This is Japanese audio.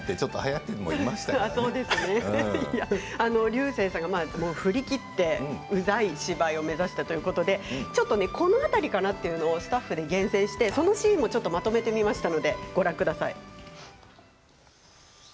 竜星さんが振り切ってうざい芝居を目指したということでこの辺りかなというのをスタッフが厳選してそのシーンをまとめました。